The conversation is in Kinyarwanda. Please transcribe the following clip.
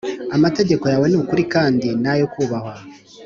Amategeko yawe ni ukuri kandi ni ayo kubahwa.